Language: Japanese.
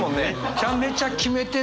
めちゃめちゃ決めてんのに。